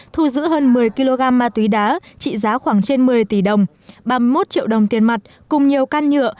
thu giữ hơn một mươi kg ma túy đá trị giá khoảng trên một mươi tỷ đồng ba mươi một triệu đồng tiền mặt cùng nhiều can nhựa